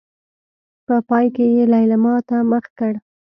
په پای کې يې ليلما ته مخ کړ.